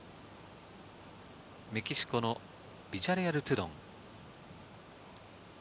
メキシコのビジャレアル・トゥドン。